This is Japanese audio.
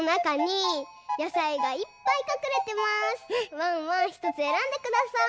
ワンワンひとつえらんでください。